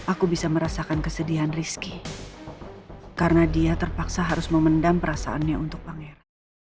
aku bisa merasakan kesedihan rizky karena dia terpaksa harus memendam perasaannya untuk pangeran